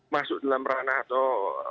masuk dalam ranah atau